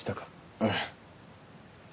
ええ。